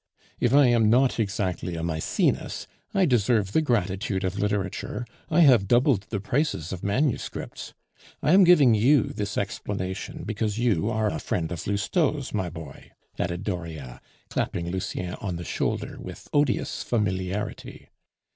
If I am not exactly a Maecenas, I deserve the gratitude of literature; I have doubled the prices of manuscripts. I am giving you this explanation because you are a friend of Lousteau's my boy," added Dauriat, clapping Lucien on the shoulder with odious familiarity.